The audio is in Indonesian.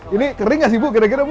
ini kering gak sih bu kira kira bu